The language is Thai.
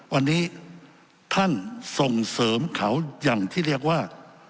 วันนี้ท่านส่งเสริมเขาอย่างที่เรียกว่า